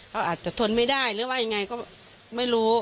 เขาอาจจะทนไม่ได้หรือว่ายังไงก็ไม่รู้